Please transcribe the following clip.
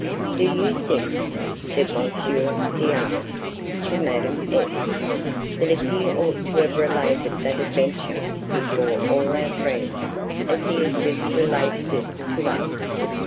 "Do you think," said M. D R to Madame F , "that he ought to have related that adventure before all our friends as he has just related it to us?"